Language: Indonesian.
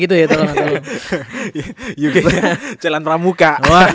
uk nya celan pramuka